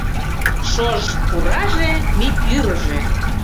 Шож пураже, мӱй пӱрыжӧ